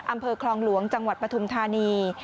อำเภอคลองหลวงจังหวัดปฐุมธานี